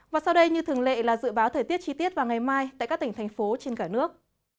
và sau đây như thường lệ là dự báo thời tiết chi tiết vào ngày mai tại các tỉnh thành phố trên cả nước